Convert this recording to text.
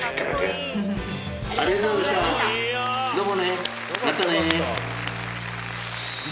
どうもねまたね。